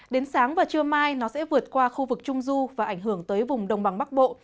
đến sáng và trưa mai nó sẽ vượt qua khu vực trung du và ảnh hưởng tới vùng đông bằng bắc bộ